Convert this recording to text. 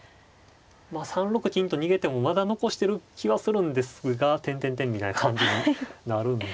まあ３六金と逃げてもまだ残してる気はするんですがみたいな感じになるんで。